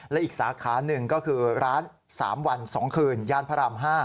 และอีกสาขาหนึ่งก็คือร้าน๓วัน๒คืนย่านพระราม๕